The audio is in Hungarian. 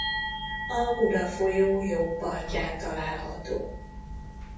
A Mura folyó jobb partján található.